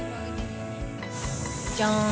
じゃん。